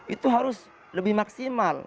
itu harus lebih maksimal